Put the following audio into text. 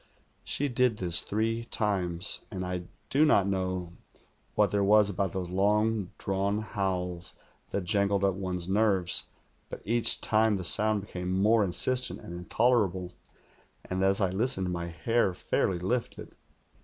She did this three times, and I do not know what there was about those long drawn howls that jangled up one's nerves, but each time the sound became more insistent and intolerable, and as I listened, my hair fairly lifted.